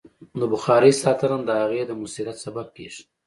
د بخارۍ ساتنه د هغې د مؤثریت سبب کېږي.